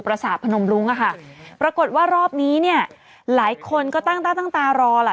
ประสาทพนมรุ้งอะค่ะปรากฏว่ารอบนี้เนี่ยหลายคนก็ตั้งต้าตั้งตารอล่ะ